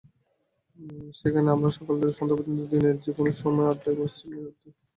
সেখানে আমরা সকাল থেকে সন্ধ্যা পর্যন্ত দিনের যেকোনো সময়ে আড্ডায় বসতাম নিরুদ্বেগে।